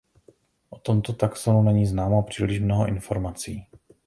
O tomto taxonu není známo příliš mnoho informací.